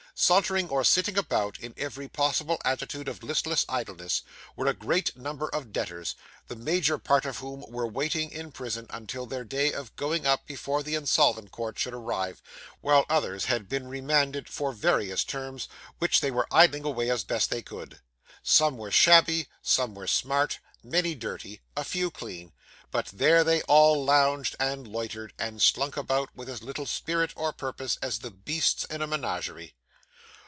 Sauntering or sitting about, in every possible attitude of listless idleness, were a great number of debtors, the major part of whom were waiting in prison until their day of 'going up' before the Insolvent Court should arrive; while others had been remanded for various terms, which they were idling away as they best could. Some were shabby, some were smart, many dirty, a few clean; but there they all lounged, and loitered, and slunk about with as little spirit or purpose as the beasts in a menagerie.